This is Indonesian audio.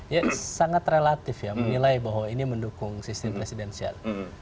ya sangat relatif ya menilai bahwa ini mendukung sistem presidensial